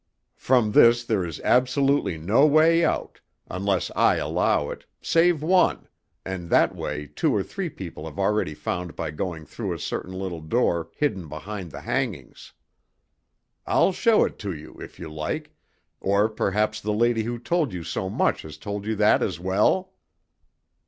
From this there is absolutely no way out, unless I allow it, save one, and that way two or three people have already found by going through a certain little door hidden behind the hangings. I'll show it to you, if you like, or perhaps the lady who told you so much has told you that as well?"